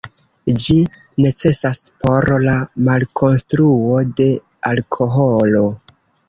Ĝi necesas por la malkonstruo de alkoholo.